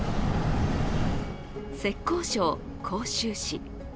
浙江省杭州市。